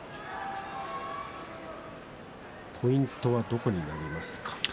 ポイントはどこになりますか？